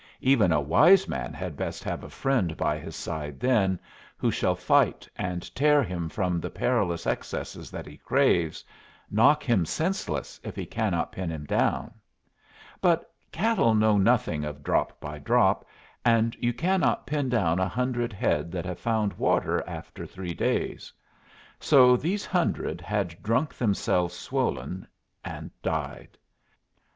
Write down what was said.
Even a wise man had best have a friend by his side then, who shall fight and tear him from the perilous excesses that he craves, knock him senseless if he cannot pin him down; but cattle know nothing of drop by drop, and you cannot pin down a hundred head that have found water after three days. So these hundred had drunk themselves swollen, and died.